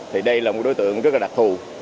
thì đây là một đối tượng rất là đặc thù